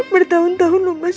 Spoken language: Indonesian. bertahun tahun loh mas